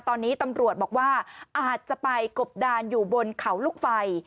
ตอนนี้ตำรวจบอกว่าอาจจะไปกบดานอยู่บนเขาลูกไฟ